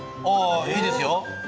あいいですよ。